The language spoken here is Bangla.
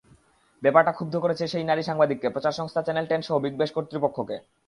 ব্যাপারটা ক্ষুব্ধ করেছে সেই নারী সাংবাদিককে, সম্প্রচার সংস্থা চ্যানেল টেনসহ বিগব্যাশ কর্তৃপক্ষকে।